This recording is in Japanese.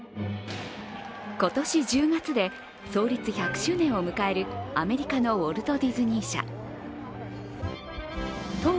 今年１０月で創立１００周年を迎えるアメリカのウォルト・ディズニー社東部